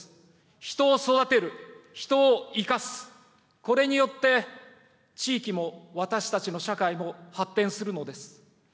人を育てる、人を生かす、これによって地域も、私たちも社会も発展するのです。